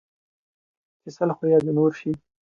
ـ چې سل خويه د نور شي